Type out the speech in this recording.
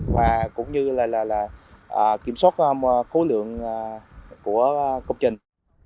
và cũng như là kiểm soát khối lượng của công trình